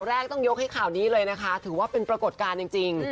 แรกต้องยกให้ข่าวนี้เลยนะคะถือว่าเป็นปรากฏการณ์จริง